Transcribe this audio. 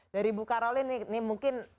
dari bu karawi ini mungkin